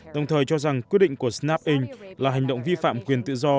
đồng thời cho rằng quyết định của snaping là hành động vi phạm quyền tự do